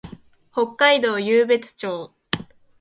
北海道湧別町